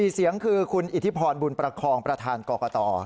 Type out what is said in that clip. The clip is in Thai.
๔เสียงคือคุณอิทธิพรบุญประคองประธานกรกต